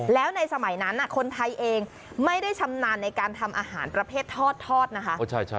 แล้วในสมัยนั้นคนไทยเองไม่ได้ชำนาญในการทำอาหารประเภททอดนะคะ